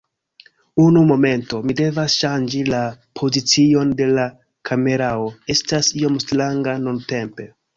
Unu momento, mi devas ŝanĝi la pozicion de la kamerao, estas iom stranga nuntempe.